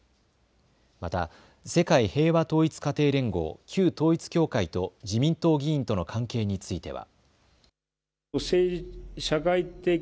また世界平和統一家庭連合、旧統一教会と自民党議員との関係については。